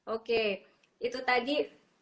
oke itu tadi